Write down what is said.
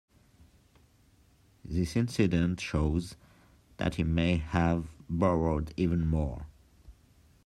This incident shows that he may have borrowed even more.